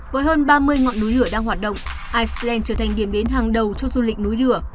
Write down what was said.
với hơn ba mươi ngọn núi lửa đang hoạt động iceland trở thành điểm đến hàng đầu cho du lịch núi lửa